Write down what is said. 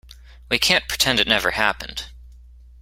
We can't pretend it never happened.